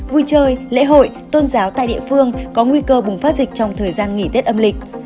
vui chơi lễ hội tôn giáo tại địa phương có nguy cơ bùng phát dịch trong thời gian nghỉ tết âm lịch